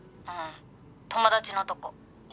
「うん友達のとこ」